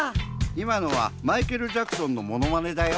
いまのはマイケル・ジャクソンのものまねだよ。